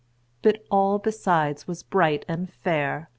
But all besides was bright and fair.